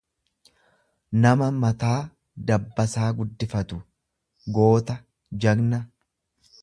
nama mataa dabbasaa guddifatu, goota, jagna.